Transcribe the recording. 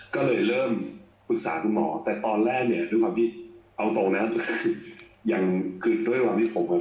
ก็เลยเริ่มปรึกษาคุณหมอแต่ตอนแรกเนี่ยด้วยความที่เอาตรงนะยังคือด้วยความที่ผมอ่ะ